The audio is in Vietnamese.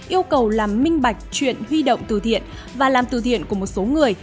yêu cầu làm minh bạch chuyện huy động từ thiện và làm từ thiện của một số người